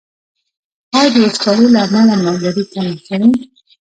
آیا د وچکالۍ له امله مالداري کمه شوې؟